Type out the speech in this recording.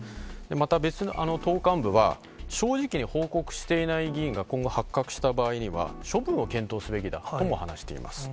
また別の党幹部は、正直に報告していない議員が今後、発覚した場合には、処分を検討すべきだとも話しています。